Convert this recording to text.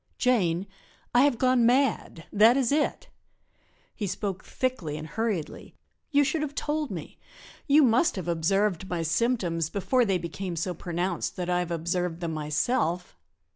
"Jane, I have gone mad that is it." He spoke thickly and hurriedly. "You should have told me; you must have observed my symptoms before they became so pronounced that I have observed them myself.